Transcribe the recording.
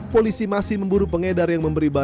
polisi masih memburu pengedar yang memberi bantuan